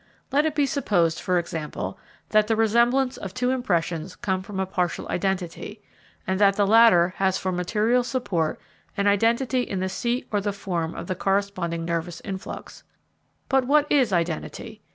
Let it be supposed, for example, that the resemblance of two impressions come from a partial identity, and that the latter has for material support an identity in the seat or the form of the corresponding nervous influx. But what is identity?